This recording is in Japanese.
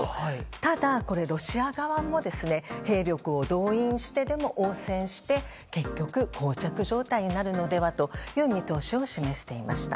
ただ、ロシア側も兵力を動員してでも応戦して、結局膠着状態になるのではないかという見通しを示していました。